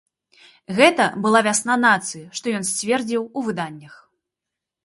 Гэта была вясна нацыі, што ён сцвердзіў у выданнях.